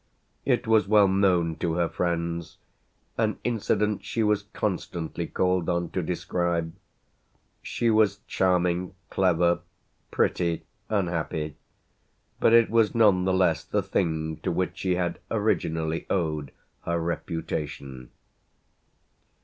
It was well known to her friends an incident she was constantly called on to describe. She was charming, clever, pretty, unhappy; but it was none the less the thing to which she had originally owed her reputation.